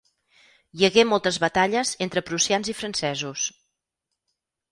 Hi hagué moltes batalles entre prussians i francesos.